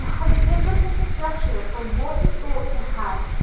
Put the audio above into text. how different a possessor from what it ought to have!